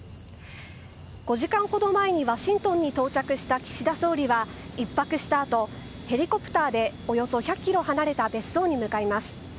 ５時間ほど前にワシントンに到着した岸田総理は一泊した後ヘリコプターでおよそ１００ｋｍ離れた別荘に向かいます。